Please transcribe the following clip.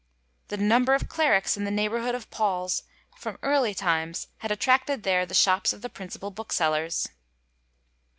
The number of clerics in the neighborhood of Paul's from early times had attracted there the shops of the piincipal booksellers.